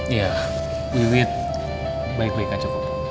iya wiwi baik baik aja bu